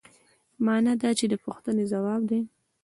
مانا د انسان د پوښتنې ځواب دی.